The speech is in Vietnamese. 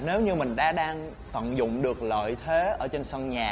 nếu như mình đang tận dụng được lợi thế ở trên sân nhà